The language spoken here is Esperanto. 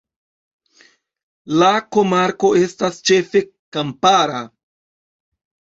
La komarko estas ĉefe kampara.